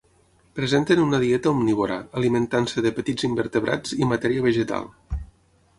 Presenten una dieta omnívora, alimentant-se de petits invertebrats i matèria vegetal.